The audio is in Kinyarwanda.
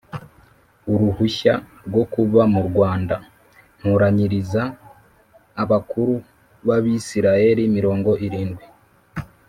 uruhushya rwo kuba murwanda ntoranyiriza abakuru b Abisirayeli mirongo irindwi